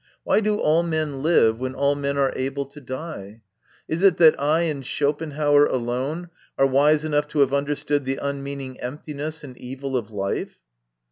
Why do all men live, when all men are able to die? Is it that I and Schopenhauer alone are wise enough to have understood the unmeaning emptiness and evil of life?"